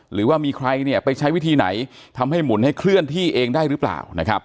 หรือว่ามีใครไปใช้วิธีไหนทำให้หมุนให้เคลื่อนที่เองได้หรือเปล่านะครับ